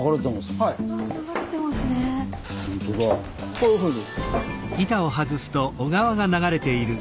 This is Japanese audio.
こういうふうに。